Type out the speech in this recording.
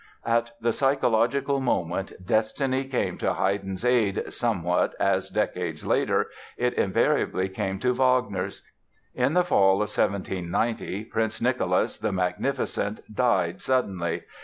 At the psychological moment destiny came to Haydn's aid somewhat as, decades later, it invariably came to Wagner's. In the fall of 1790, Prince Nicholas the Magnificent died suddenly.